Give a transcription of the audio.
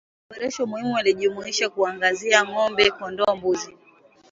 Maboresho muhimu yalijumuisha kuangazia ng'ombe kondoo mbuzi